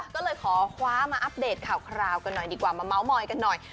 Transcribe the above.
ก็เลยขอคว้ามาอัปเดตข่าวคราวกันหน่อยดีกว่ามาเม้ามอยกันหน่อย